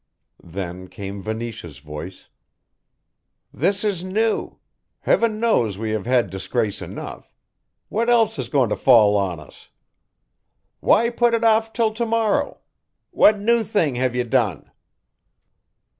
Then came Venetia's voice: "This is new Heaven knows we have had disgrace enough what else is going to fall on us? Why put it off till to morrow what new thing have you done?"